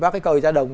vác cái cầu ra đồng